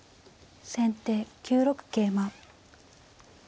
先手９六桂馬。